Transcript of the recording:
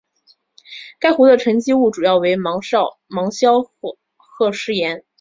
该湖的沉积物主要为芒硝和石盐。